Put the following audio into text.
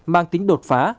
mang tính đột phá